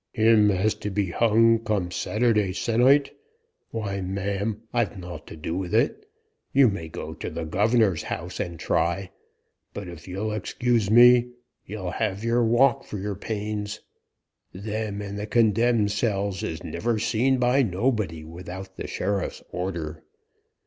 "Him as is to be hung come Saturday se'nnight? Why, ma'am, I've nought to do with it. You may go to the governor's house and try; but, if you'll excuse me, you'll have your walk for your pains. Them in the condemned cells is never seen by nobody without the sheriff's order.